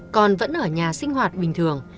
còn vẫn ở nhà sinh hoạt bình thường